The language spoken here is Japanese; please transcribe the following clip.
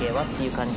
感じ